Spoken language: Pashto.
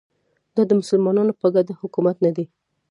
دا د مسلمانانو په ګټه حکومت نه دی